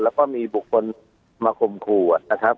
แล้วก็มีบุคคลมาข่มขู่นะครับ